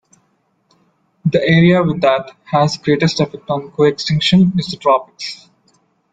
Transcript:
The area with that has the greatest affect of coextinction is the tropics.